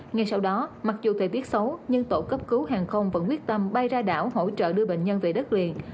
ngay sau đó mặc dù thời tiết xấu nhưng tổ cấp cứu hàng không vẫn quyết tâm bay ra đảo hỗ trợ đưa bệnh nhân về đất liền